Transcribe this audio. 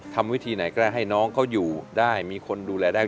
ทำวิธีไหนก็ได้ให้น้องเขาอยู่ได้มีคนดูแลได้